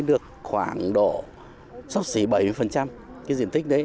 lấy được khoảng độ sốc xỉ bảy mươi cái diện tích đấy